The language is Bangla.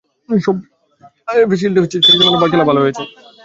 সম্প্রতি আইএফএ শিল্ডে শেখ জামালের খেলা ভালো হওয়ার অন্যতম কারণ টার্ফ।